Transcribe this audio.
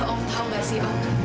om tau gak sih om